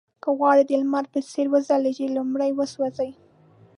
که غواړئ د لمر په څېر وځلېږئ لومړی وسوځئ.